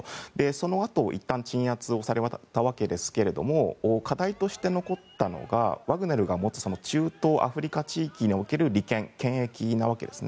そのあと、いったん鎮圧されたわけですが課題として残ったのがワグネルが持つ中東アフリカ地域における利権、権益なわけです。